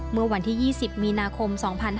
เมื่อวันที่๒๐มีนาคม๒๕๕๙